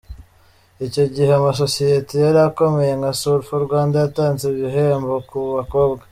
Icyo gihe amasosiyete yari akomeye nka Sulfo Rwanda yatanze ibihembo ku bakobwa.